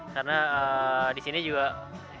karena disini juga kita melalui album ini